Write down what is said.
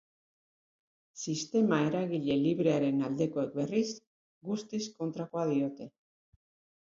Sistema eragile librearen aldekoek berriz guztiz kontrakoa diote.